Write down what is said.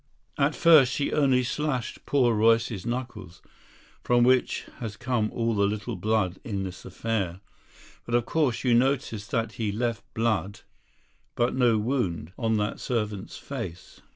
At first she only slashed poor Royce's knuckles, from which has come all the little blood in this affair. But, of course, you noticed that he left blood, but no wound, on that servant's face?